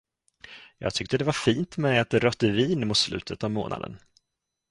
Jag tyckte det var fint med ett rött vin mot slutet av måltiden.